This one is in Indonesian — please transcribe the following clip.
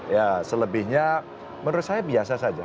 ya selebihnya menurut saya biasa saja